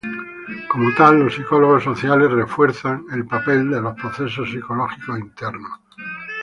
Como tal, los psicólogos sociales enfatizan el papel de los procesos psicológicos internos.